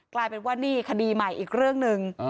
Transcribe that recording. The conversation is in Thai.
กลายเป็นว่านี่คดีใหม่อีกเรื่องหนึ่ง